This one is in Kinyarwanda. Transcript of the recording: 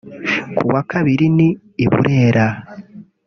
kuwa kabiri ni i Burera